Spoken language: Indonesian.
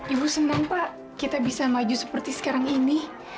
ibu senang pak kita bisa maju seperti sekarang ini